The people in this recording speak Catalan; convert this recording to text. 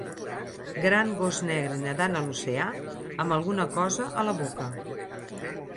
Gran gos negre nedant a l'oceà amb alguna cosa a la boca.